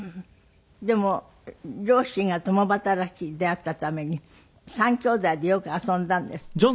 でも両親が共働きであったために三兄弟でよく遊んだんですって？